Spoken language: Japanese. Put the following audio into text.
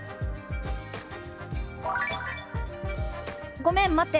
「ごめん待って。